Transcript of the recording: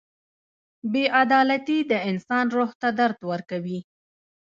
• بې عدالتي د انسان روح ته درد ورکوي.